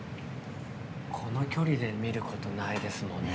この距離で見ることないですもんね。